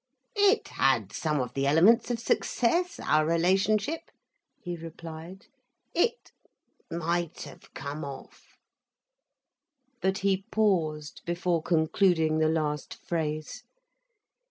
"It had some of the elements of success, our relationship," he replied. "It—might have come off." But he paused before concluding the last phrase.